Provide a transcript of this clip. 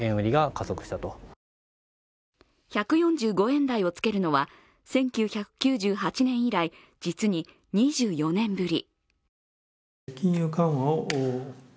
１４５円台をつけるのは１９９８年以来実に２４年ぶり。